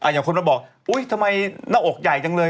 อย่างคนมาบอกทำไมนักอกใหญ่จังเลย